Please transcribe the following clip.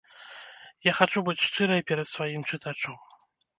Я хачу быць шчырай перад сваім чытачом.